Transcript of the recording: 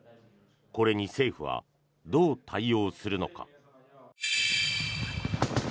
これに政府はどう対応するのか。